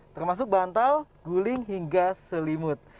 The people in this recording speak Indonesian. termasuk bantal guling hingga selimut